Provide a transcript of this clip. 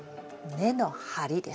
根の張りです。